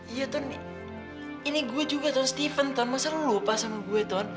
iya ini gue juga steven masa lo lupa sama gue